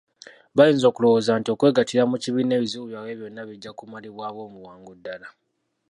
Bayinza okulowooza nti okwegattira mu kibiina ebizibu byabwe byonna bijja kumalibwawo mu bwangu ddala.